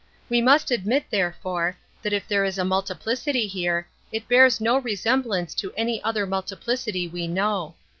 We must admit, therefore, that if there is a multiplicity here, it bears no resemblance to any other multiplicity we know.